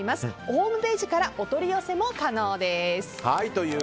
ホームページからお取り寄せも可能です。